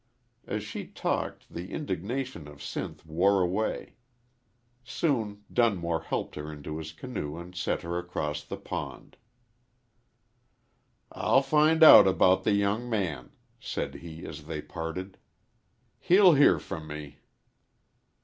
As she talked the indignation of Sinth wore away. Soon Dunmore helped her into his canoe and set her across the pond. "I'll find out about the young man," said he, as they parted. "He'll hear from me."